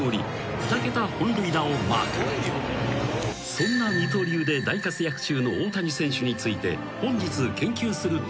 ［そんな二刀流で大活躍中の大谷選手について本日研究するテーマは］